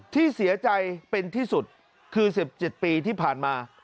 ที่เสียใจเป็นที่สุดคือ๑๗ปีที่ผ่านมา